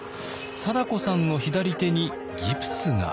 貞子さんの左手にギプスが。